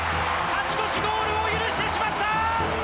勝ち越しゴールを許してしまった！